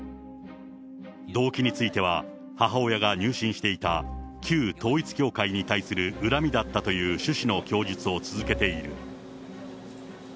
動機については、母親が入信していた旧統一教会に対する恨みだったという趣旨の供述を続けている。